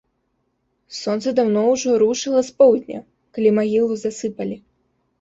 Сонца даўно ўжо рушыла з поўдня, калі магілу засыпалі.